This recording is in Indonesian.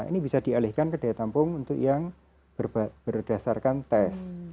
ini bisa dialihkan ke daya tampung untuk yang berdasarkan tes